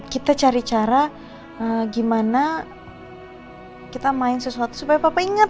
kita cari cara gimana kita main sesuatu supaya papa inget